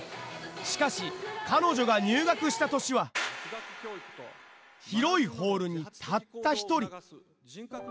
しかし彼女が入学した年は広いホールにたった一人。